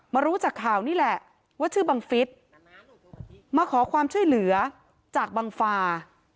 รู้จากข่าวนี่แหละว่าชื่อบังฟิศมาขอความช่วยเหลือจากบังฟา